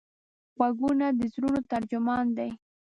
غوږونه د زړونو ترجمان دي